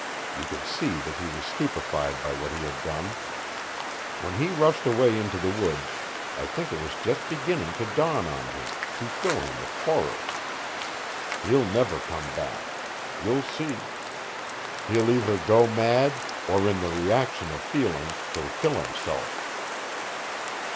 You could see that he was stupefied by what he had done. When he rushed away into the woods I think it was just beginning to dawn on him, to fill him with horror. He'll never come back. You'll see. He'll either go mad, or in the reaction of feeling he'll kill himself."